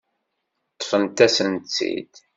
Ṭṭfent-asent-t-id.